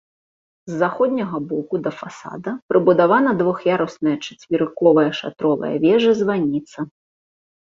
З заходняга боку да фасада прыбудавана двух'ярусная чацверыковая шатровая вежа-званіца.